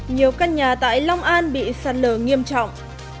nhiều căn nhà tại long an bị sạt lở nghiêm trọng